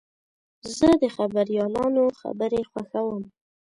زه د خبریالانو خبرې خوښوم.